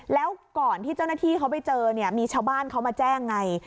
แล้วก่อนที่เจ้าหน้าที่เขาไปเจอเนี่ยมีชาวบ้านเขามาแจ้งไง